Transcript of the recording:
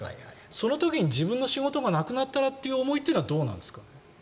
その時に自分の仕事がなくなるという思いはどうなんですか？